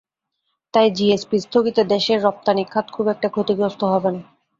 তাই জিএসপি স্থগিতে দেশের রপ্তানি খাত খুব একটা ক্ষতিগ্রস্ত হবে না।